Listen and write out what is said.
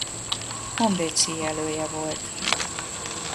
Honvéd síelője volt.